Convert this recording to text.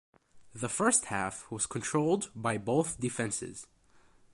The first half was controlled by both defenses.